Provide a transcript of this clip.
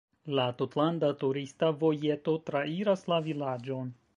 La tutlanda turista vojeto trairas la vilaĝon.